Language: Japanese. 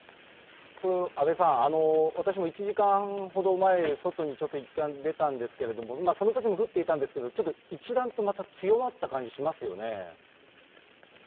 阿部さん、私も１時間ほど前、外にちょっといったん出たんですけれども、そのときも降っていたんですけれども、ちょっと一段とまた強まった感じしますよね。